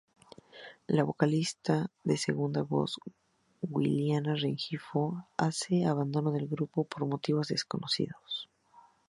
La vocalista de segunda voz; Giuliana Rengifo hace abandono del grupo por motivos desconocidos.